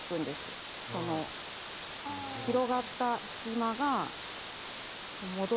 その広がった隙間が戻る。